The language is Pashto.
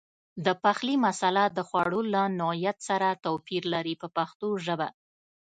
د پخلي مساله د خوړو له نوعیت سره توپیر لري په پښتو ژبه.